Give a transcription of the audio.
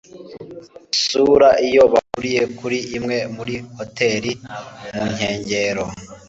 isura iyo bahuriye kuri imwe muri hoteri ya plush mu nkengero